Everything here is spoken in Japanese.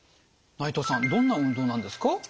内藤さんどんな運動なんですか？